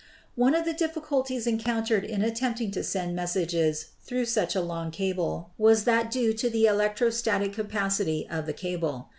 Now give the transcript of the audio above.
One of the difficulties encountered in attempting to send messages through such a long cable was that due to the electrostatic capacity of the cable.